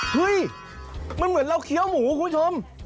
เฮ้ยมันเหมือนเราเคี้ยวหมูคุณผู้ชม